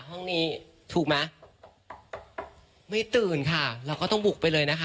ห้องนี้ถูกไหมไม่ตื่นค่ะเราก็ต้องบุกไปเลยนะคะ